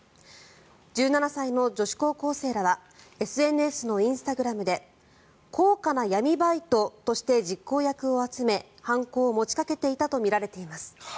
１７歳の女子高校生らはＳＮＳのインスタグラムで高価な闇バイトとして実行役を集め犯行を持ちかけていたとみられています。